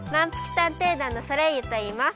探偵団のソレイユといいます。